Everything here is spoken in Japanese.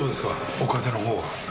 お風邪のほうは。